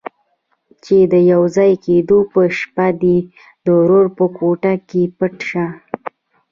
چې د يوځای کېدو په شپه دې د ورور په کوټه کې پټ شه.